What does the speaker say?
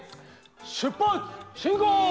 出発進行！